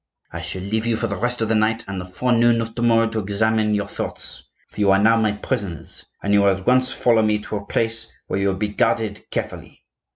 I shall leave you for the rest of the night and the forenoon of to morrow to examine your thoughts; for you are now my prisoners, and you will at once follow me to a place where you will be guarded carefully.